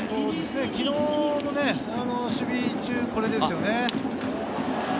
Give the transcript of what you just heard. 昨日の守備中、これですね。